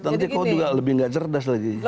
nanti kau juga lebih nggak cerdas lagi